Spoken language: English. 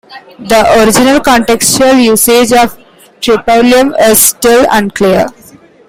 The original contextual usage of "tripalium" is still unclear.